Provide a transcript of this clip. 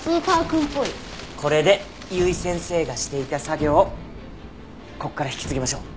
これで由井先生がしていた作業をここから引き継ぎましょう。